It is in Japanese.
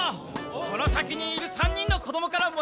この先にいる３人の子どもからもらったんだ。